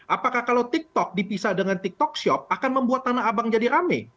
apakah kalau tiktok dipisah dengan tiktok shop akan membuat tanah abang jadi rame